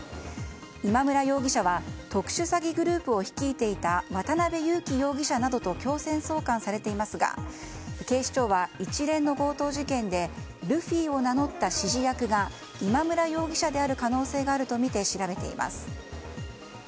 今村容疑者は特殊詐欺グループを率いていた渡辺優樹容疑者などと強制送還されていますが警視庁は一連の強盗事件でルフィを名乗った指示役が今村容疑者である可能性があるとみて調べています。